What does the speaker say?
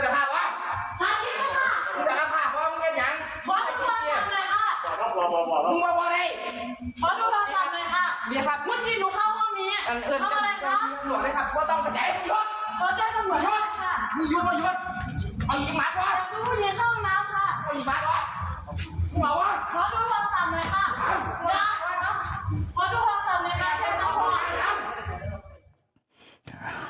เจ้าของคลิปก็เอาคลิปนี้มาโพสต์เอาไว้เพื่อเตือนภัยนะครับบอกมีหนุ่มมาถ้ำมองนะฮะแอบเข้าไปอยู่ในห้องนี้นะครับ